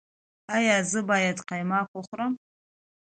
ایا زه باید قیماق وخورم؟